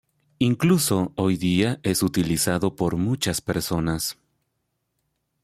Incluso hoy día es utilizado por muchas personas.